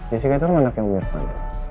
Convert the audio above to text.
jessica itu menekan om irfan